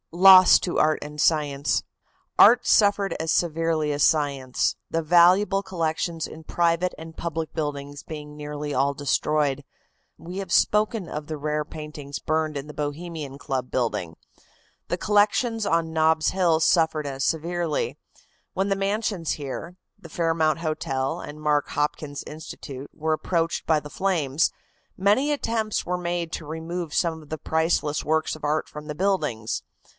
LOSS TO ART AND SCIENCE. Art suffered as severely as science, the valuable collections in private and public buildings being nearly all destroyed. We have spoken of the rare paintings burned in the Bohemian Club building. The collections on Nob's Hill suffered as severely. When the mansions here, the Fairmount Hotel and Mark Hopkins Institute were approached by the flames, many attempts were made to remove some of the priceless works of art from the buildings.